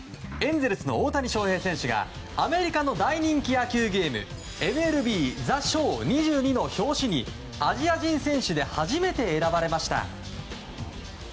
エンゼルスの大谷翔平選手がアメリカの大人気野球ゲーム「ＭＬＢＴｈｅＳｈｏｗ２２」の表紙にアジア人選手で初めて選ばれました。